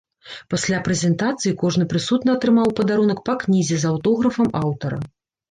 Пасля прэзентацыі кожны прысутны атрымаў у падарунак па кнізе з аўтографам аўтара.